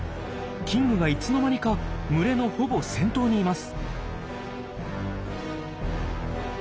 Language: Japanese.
キングがいつの間にか群れのほぼ先頭にいます！